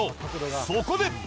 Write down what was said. そこで。